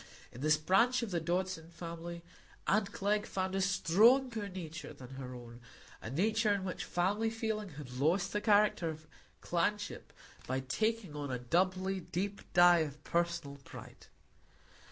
In this branch of the Dodson family aunt Glegg found a stronger nature than her own; a nature in which family feeling had lost the character of clanship by taking on a doubly deep dye of personal pride.